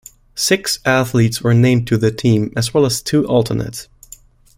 Six athletes were named to the team as well as two alternates.